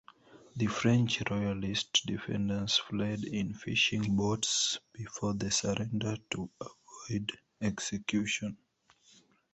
The French royalist defenders fled in fishing boats before the surrender to avoid execution.